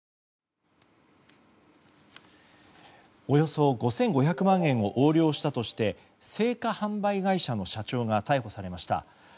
およそ５５００万円を横領したとして生花販売会社の社長が逮捕されました。